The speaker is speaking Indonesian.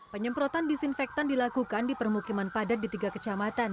penyemprotan disinfektan dilakukan di permukiman padat di tiga kecamatan